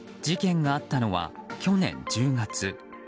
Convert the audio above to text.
事件があったのは去年１０月。